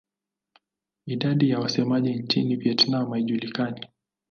Idadi ya wasemaji nchini Vietnam haijulikani.